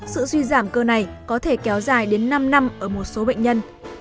sự suy giảm cơ này có thể kéo dài đến năm năm ở một số bệnh nhân